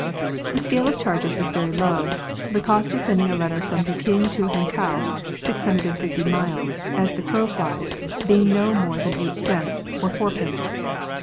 The scale of charges is very low. The cost of send ing a letter from Peking to Hankow — 650 miles, as the crow flies — being no more than eight cents, or fourpence.